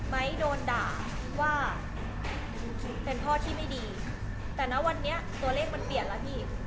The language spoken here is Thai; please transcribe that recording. โดนด่าว่าเป็นพ่อที่ไม่ดีแต่นะวันนี้ตัวเลขมันเปลี่ยนแล้วพี่